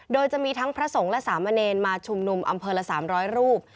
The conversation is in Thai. โดยจะมีทั้งพระสงฆ์และสามเณรมาชุมนุมอำเภอละ๓๐๐รูป